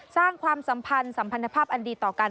ความสัมพันธ์สัมพันธภาพอันดีต่อกัน